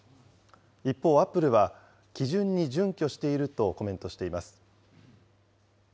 一方、アップルは基準に準拠しているとコメントしています。